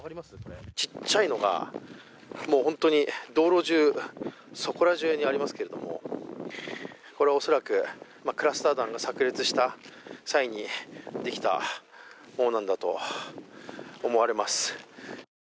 ちっちゃいのが、もう本当に道路中、そこら中にありますけど、これ恐らくクラスター弾がさく裂した際にできたものなんだと思われます。